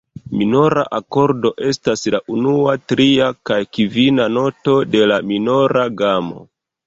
Minora akordo estas la unua, tria kaj kvina noto de la minora gamo.